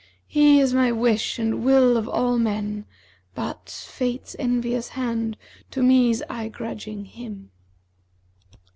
He is my wish and will of all men, but * Fate's envious hand to me's aye grudging him.'